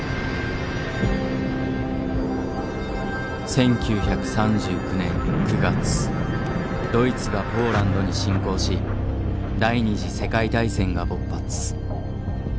１９３９年９月ドイツがポーランドに侵攻し第二次世界大戦が勃発。